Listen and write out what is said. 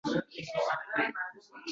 Jamiyatning bu tutumi qachon o‘zgaradi?!